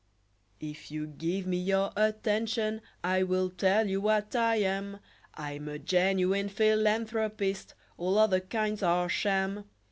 If you give me your attention, I will tell you what I am: I'm a genuine philanthropist all other kinds are sham.